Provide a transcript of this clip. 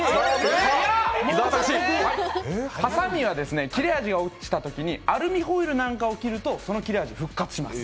ハサミは切れ味が落ちたときにアルミホイルなんかを切るとその切れ味、復活します。